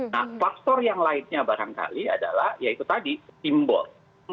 nah faktor yang lainnya barangkali adalah ya itu tadi simbol